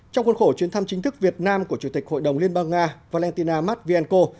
trong khuôn khổ chuyến thăm chính thức việt nam của chủ tịch hội đồng liên bang nga valentina matvienko